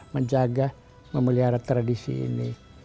menjaga memelihara tradisi ini